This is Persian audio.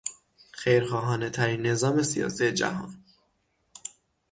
خیرخواهانه ترین نظام سیاسی جهان